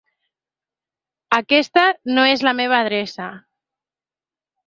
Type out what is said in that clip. Aquesta no és la meva adreça.